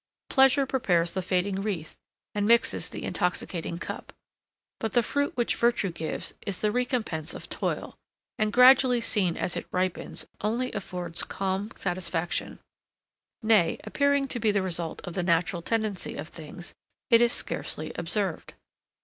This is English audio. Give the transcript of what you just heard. Pleasure prepares the fading wreath, and mixes the intoxicating cup; but the fruit which virtue gives, is the recompence of toil: and, gradually seen as it ripens, only affords calm satisfaction; nay, appearing to be the result of the natural tendency of things, it is scarcely observed.